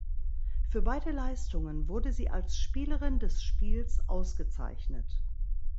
Für beide Leistungen wurde sie als Spielerin des Spiels ausgezeichnet.